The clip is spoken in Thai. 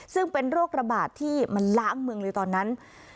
ซึ่งเป็นโรคระบาดที่มันล้างเมืองเลยตอนนั้น